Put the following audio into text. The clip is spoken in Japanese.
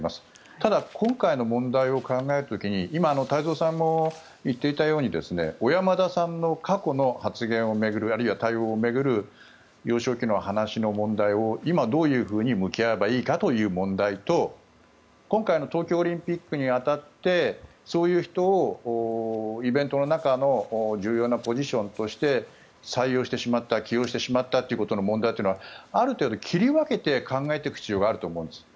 ただ、今回の問題を考えた時に今、太蔵さんも言っていたように小山田さんの過去の発言を巡るあるいは対応を巡る幼少期の話の問題を今、どういうふうに向き合えばいいかという問題と今回の東京オリンピックに当たってそういう人をイベントの中の重要なポジションとして採用してしまった起用してしまったということの問題はある程度切り分けて考えていく必要があると思うんです。